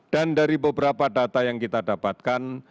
dan dari beberapa data yang kita dapatkan